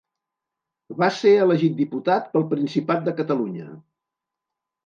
Va ser elegit diputat pel Principat de Catalunya.